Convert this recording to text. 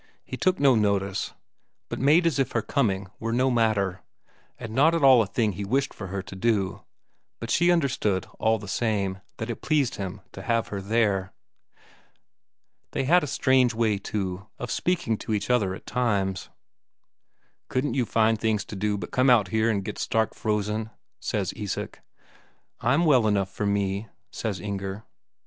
He took no notice, but made as if her coming were no matter, and not at all a thing he wished for her to do; but she understood all the same that it pleased him to have her there. They had a strange way, too, of speaking to each other at times. "Couldn't you find things to do but come out here and get stark frozen?" says Isak. "I'm well enough for me," says Inger.